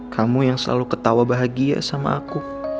kamu yang selalu ketawa bahagia sama aku